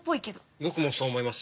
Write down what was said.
僕もそう思います。